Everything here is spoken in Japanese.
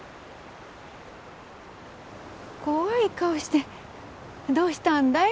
怖い顔してどうしたんだい？